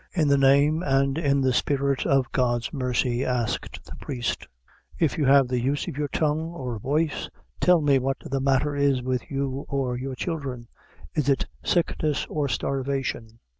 "In the name and in the spirit of God's mercy," asked the priest, "if you have the use of your tongue or voice, tell me what the matter is with you or your children? Is it sickness or starvation?"